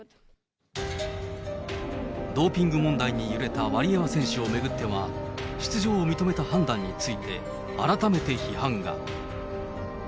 ドーピング問題に揺れたワリエワ選手を巡っては、出場を認めた判断について、改めて批判が。